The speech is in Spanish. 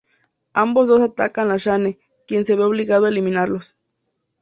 Ambos dos atacan a Shane, quien se ve obligado a eliminarlos.